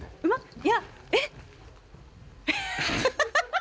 いやえっ？